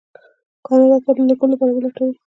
کاناډا ته د لېږلو لپاره ولټوي.